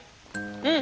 うん。